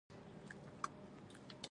بې توجهي بد دی.